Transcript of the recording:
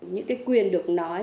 những cái quyền được nói